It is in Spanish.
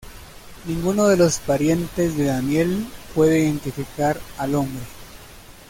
Ninguno de los parientes de Daniel puede identificar al hombre.